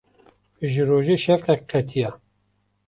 Ji rojê şewqek qetiya.